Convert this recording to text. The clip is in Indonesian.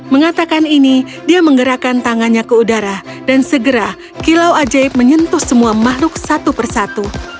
mengatakan ini dia menggerakkan tangannya ke udara dan segera kilau ajaib menyentuh semua makhluk satu persatu